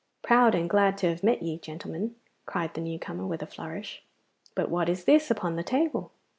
'Proud and glad to meet ye, gentlemen!' cried the newcomer, with a flourish. 'But what is this upon the table?